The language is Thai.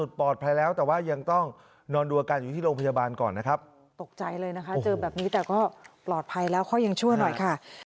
แต่บางครั้งเขาก็คุยดีเหมือนก้าวปกตินี่แหละ